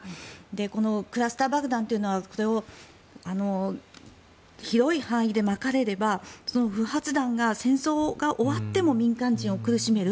このクラスター爆弾というのは広い範囲でまかれれば不発弾が、戦争が終わっても民間人を苦しめる。